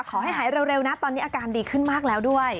ขอให้หายเร็วนะตอนนี้อาการดีขึ้นมากแล้วด้วย